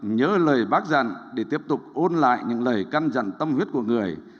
nhớ lời bác dặn để tiếp tục ôn lại những lời căn dặn tâm huyết của người